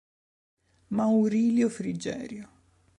Maurilio Frigerio